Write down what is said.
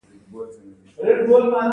تقدیرنامه په عمومي ډول درې ډوله ده.